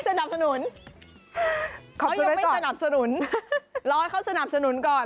สนับสนุนเขายังไม่สนับสนุนรอให้เขาสนับสนุนก่อน